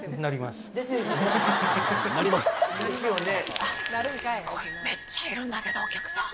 すごい、めっちゃいるんだけど、お客さん。